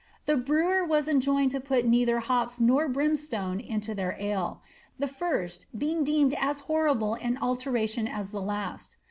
The brewer was enjoined to put neither hops nor brimstone into tlieir ale, the first being deemed as horrible an adulteration as the last.